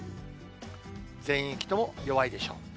全域とも弱いでしょう。